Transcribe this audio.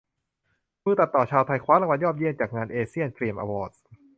มือตัดต่อชาวไทย คว้ารางวัลยอดเยี่ยมจากงาน "เอเชียน ฟิล์ม อวอร์ดส์"